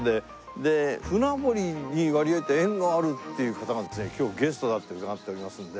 で船堀に割合と縁のあるっていう方がですね今日ゲストだって伺っておりますんで。